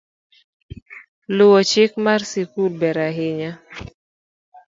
Luwo chik mar sikul ber ahinya